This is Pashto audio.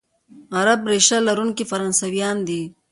عرب ریشه لرونکي فرانسویان دي،